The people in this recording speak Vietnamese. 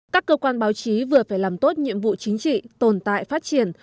các cơ quan báo chí vừa phải làm tốt nhiệm vụ chính trị tồn tại phát triển